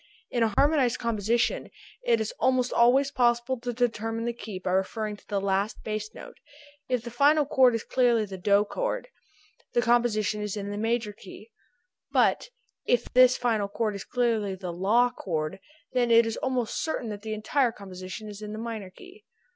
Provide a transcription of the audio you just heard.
In a harmonized composition it is almost always possible to determine the key by referring to the last bass note; if the final chord is clearly the DO chord the composition is in the major key, but if this final chord is clearly the LA chord then it is almost certain that the entire composition is in the minor key.